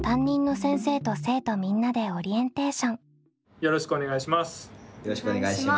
よろしくお願いします。